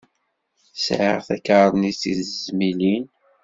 Sɛiɣ takarnit i tezmilin.